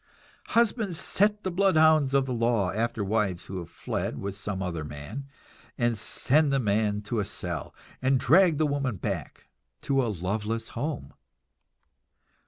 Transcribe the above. Husbands set the bloodhounds of the law after wives who have fled with some other man, and send the man to a cell, and drag the woman back to a loveless home.